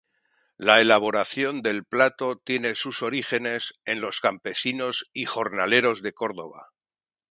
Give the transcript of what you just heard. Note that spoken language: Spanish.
La elaboración del plato tiene sus orígenes en los campesinos y jornaleros de Córdoba.